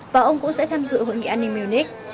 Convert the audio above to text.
và ông cũng sẽ tham dự hội nghị an ninh munich